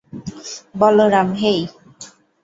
Balaram, হেই?